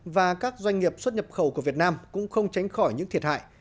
và các doanh nghiệp xuất nhập khẩu của việt nam cũng không tránh khỏi những thiệt hại